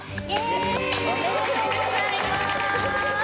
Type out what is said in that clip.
おめでとうございます。